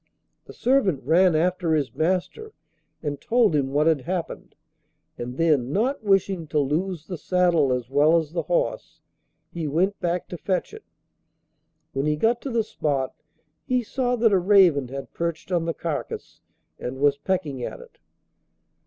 The servant ran after his master and told him what had happened, and then, not wishing to lose the saddle as well as the horse, he went back to fetch it. When he got to the spot he saw that a raven had perched on the carcase and was pecking at it.